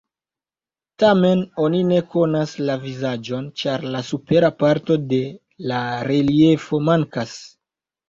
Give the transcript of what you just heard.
Tamen oni ne konas la vizaĝon, ĉar la supera parto de la reliefo mankas.